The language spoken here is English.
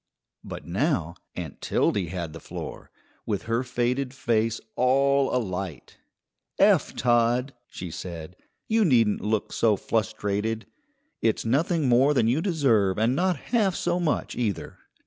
But now Aunt Tildy had the floor, with her faded face all alight. "Eph Todd," she said, "you needn't look so flustrated. It's nothing more than you deserve and not half so much either.